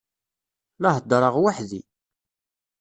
La heddṛeɣ weḥd-i.